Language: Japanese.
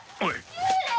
幽霊！？